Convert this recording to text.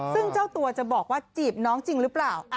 ซึ่งเจ้าตัวจะบอกว่าจีบน้องจริงหรือเปล่า